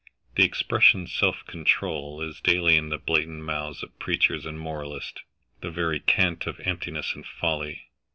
The expression "self control" is daily in the blatant mouths of preachers and moralists, the very cant of emptiness and folly.